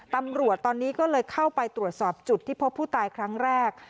ตำรวจตอนนี้ก็เลยเข้าไปตรวจสอบจุดที่พบผู้ตายครั้งแรก